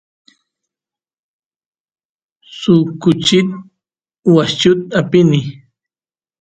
suk kuchi washchu apini